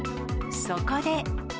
そこで。